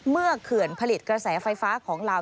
เขื่อนผลิตกระแสไฟฟ้าของลาว